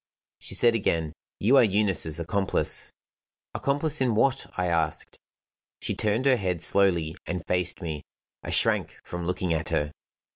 She said again: "You are Eunice's accomplice." "Accomplice in what?" I asked. She turned her head slowly and faced me. I shrank from looking at her.